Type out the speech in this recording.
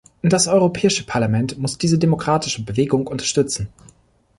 Das Europäische Parlament muss diese demokratische Bewegung unterstützen.